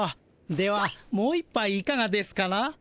ではもう一ぱいいかがですかな？